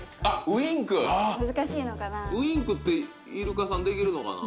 ウインクってイルカさんできるのかな？